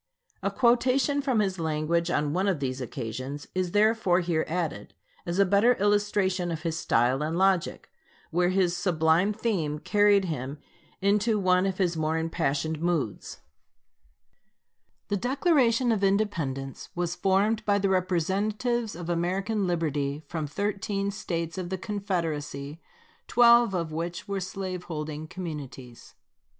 A quotation from his language on one of these occasions is therefore here added, as a better illustration of his style and logic, where his sublime theme carried him into one of his more impassioned moods: The Declaration of Independence was formed by the representatives of American liberty from thirteen States of the Confederacy, twelve of which were slave holding communities.